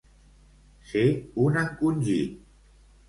Ser un encongit.